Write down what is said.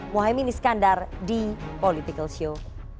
mohaimin iskandar di political show